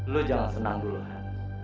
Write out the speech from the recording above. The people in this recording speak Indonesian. lo jangan senang dulu han